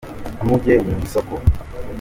ntuge mu isoko.